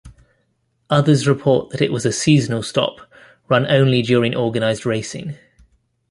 Others report that it was a seasonal stop, run only during organised racing.